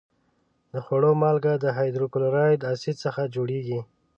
د خوړو مالګه د هایدروکلوریک اسید څخه جوړیږي.